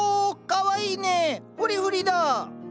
かわいいねフリフリだ。